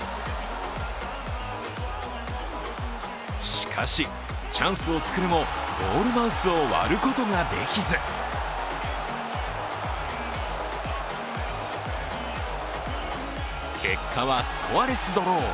しかしチャンスを作るも、ゴールマウスを割ることができず結果はスコアレスドロー。